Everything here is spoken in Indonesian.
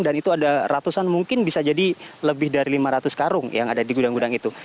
dan itu ada ratusan mungkin bisa jadi lebih dari lima ratus karung yang ada di gudang gudang itu